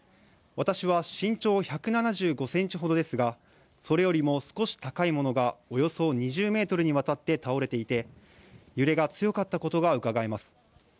私は身長１７５ｃｍほどですが、それよりも少し高いものが、およそ２０メートルにわたって倒れていて、揺れが強かったことがうかがえます。